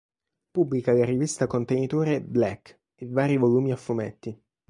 Pubblica la rivista contenitore "Black" e vari volumi a fumetti.